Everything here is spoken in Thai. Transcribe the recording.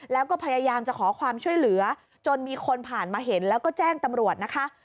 แล้วก็พยายามจะขอความช่วยเหลือจนมีคนผ่านมาเห็นแล้วก็แจ้งตำรวจนะคะ